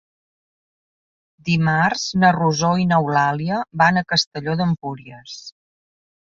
Dimarts na Rosó i n'Eulàlia van a Castelló d'Empúries.